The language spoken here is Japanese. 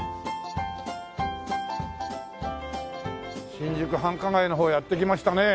新宿繁華街の方へやって来ましたね。